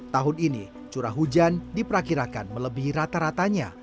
tahun ini curah hujan diperkirakan melebihi rata ratanya